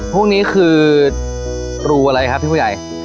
พวกนี้คือรูอะไรครับพี่ผู้ใหญ่